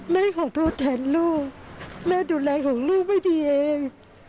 แม่ขอโทษแทนลูกแม่ดูแลของลูกให้ดีเอง